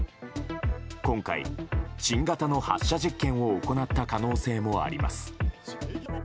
今回、新型の発射実験を行った可能性もあります。